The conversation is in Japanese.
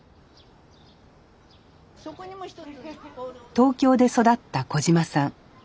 東京で育った小島さん。